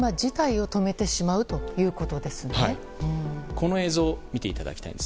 この映像を見ていただきたいです。